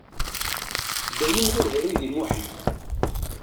Dayem d aberri di Muḥend.